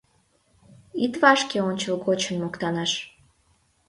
Ит вашке ончылгочын моктанаш.